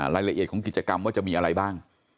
รายละเอียดของกิจกรรมว่าจะมีอะไรบ้าง